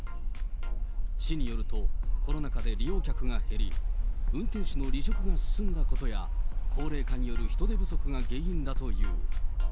市によると、コロナ禍で利用客が減り、運転手の離職が進んだことや、高齢化による人手不足が原因だという。